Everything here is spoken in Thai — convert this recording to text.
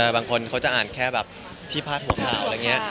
บางคนเขาจะอ่านแค่แบบที่พาดหัวเปล่า